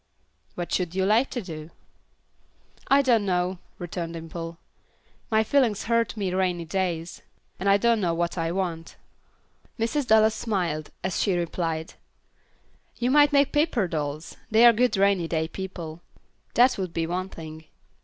"What should you like to do?" "I don't know," returned Dimple. "My feelings hurt me rainy days, and I don't know what I want." Mrs. Dallas smiled, as she replied, "You might make paper dolls, they are good rainy day people; that would be one thing.